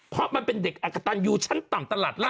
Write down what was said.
เพราะมันเป็นเด็กอักกตันยูชั้นต่ำตลาดรั